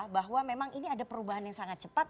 bahwa memang ini ada perubahan yang sangat cepat